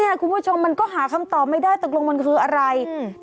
คุณผู้ชมมันก็หาคำตอบไม่ได้ตกลงมันคืออะไรอืม